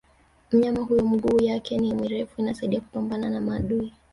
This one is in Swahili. Mnyama huyo miguu yake ni mirefu inamsaidia kupambana na maadui